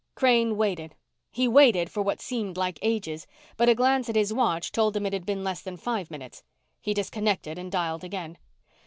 Crane waited. He waited for what seemed like ages, but a glance at his watch told him it had been less than five minutes. He disconnected and dialed again.